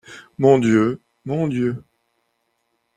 Mon Dieu ! mon Dieu !